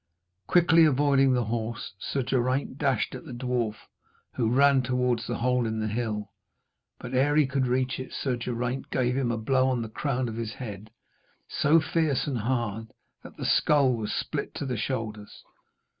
Quickly avoiding the horse, Sir Geraint dashed at the dwarf, who ran towards the hole in the hill, but ere he could reach it Sir Geraint gave him a blow on the crown of his head, so fierce and hard, that the skull was split to the shoulders.